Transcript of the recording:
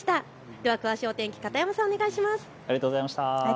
では詳しいお天気、片山さん、お願いします。